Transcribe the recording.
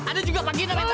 ada juga pagi namanya